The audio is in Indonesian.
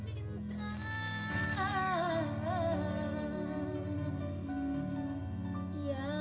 dia nyaris juga